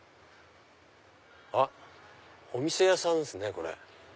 あっお店屋さんですね。